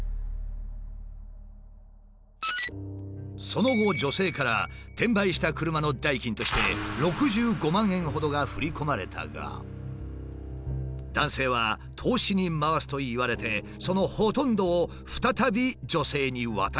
その後女性から転売した車の代金として６５万円ほどが振り込まれたが男性は投資に回すと言われてそのほとんどを再び女性に渡してしまった。